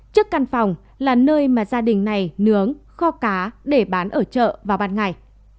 trước căn phòng là nơi mà gia đình này nướng kho cá để bán ở chợ vào ban ngày